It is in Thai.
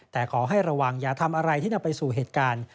แต่ขอให้ระวังอย่าทำอะไรที่นำไปสู่เหตุการณ์